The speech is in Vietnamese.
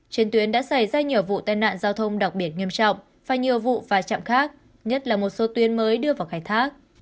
trên tuyến đã xảy ra nhiều vụ tai nạn giao thông đặc biệt nghiêm trọng và nhiều vụ vai trạm khác nhất là một số tuyến mới đưa vào khai thác